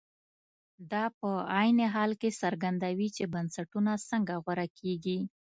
دا په عین حال کې څرګندوي چې بنسټونه څنګه غوره کېږي.